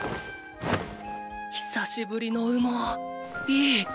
久しぶりの羽毛いい！